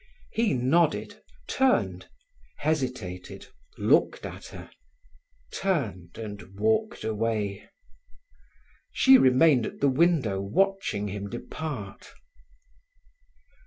He nodded, turned, hesitated, looked at her, turned and walked away. She remained at the window watching him depart.